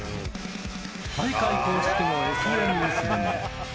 大会公式のＳＮＳでも。